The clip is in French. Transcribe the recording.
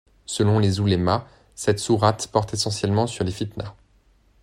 Selon les ouléma, cette sourate porte essentiellement sur les fitna.